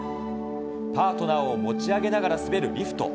パートナーを持ち上げながら滑るリフト。